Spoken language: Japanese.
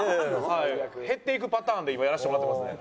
はい。減っていくパターンで今やらせてもらってますね。